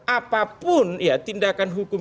apapun tindakan hukum